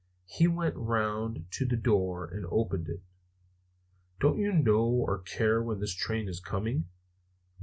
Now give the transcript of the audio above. He went round to the door and opened it. "Don't you know or care when this train is coming?"